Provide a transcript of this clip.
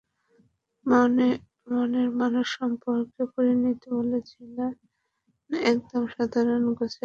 মনের মানুষ সম্পর্কে পরিণীতি বলেছিলেন, একদম সাধারণ গোছের মানুষ নাকি তাঁর পছন্দ।